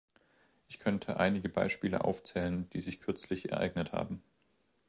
Ich könnte einige Beispiele aufzählen, die sich kürzlich ereignet haben.